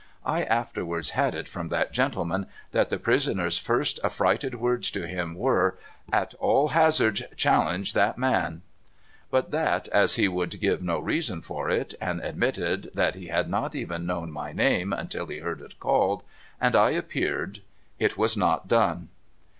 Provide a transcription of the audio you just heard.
I afterwards had it from that gentleman, that the prisoner's first affrighted words to him were, ' At all hazards, challenge that man !' But that, as he would give no reason for it, and admitted that he had not even known my name until he heard it called and I appeared, it was not done.